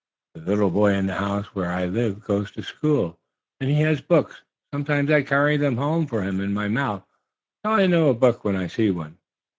The little boy in the house where I live goes to school, and he has books. Sometimes I carry them home for him in my mouth. So I know a book when I see one.